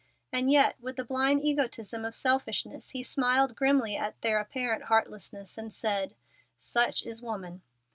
And yet with the blind egotism of selfishness he smiled grimly at their apparent heartlessness and said, "Such is woman."